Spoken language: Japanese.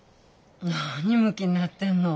何ムキになってんの？